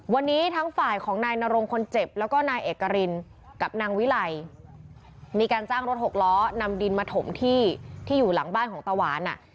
วันนี้ทั้งฝ่ายของนายนรงคนเจ็บแล้วก็นายเอกรินกับนางวิไลมีการจ้างรถหกล้อนำดินมาถมที่ที่อยู่หลังบ้านของตาหวานอ่ะ